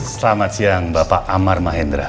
selamat siang bapak amar mahendra